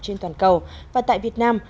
trên toàn cầu và tại việt nam